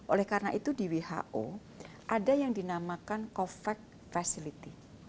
oleh karena itu di who ada yang dinamakan covax facility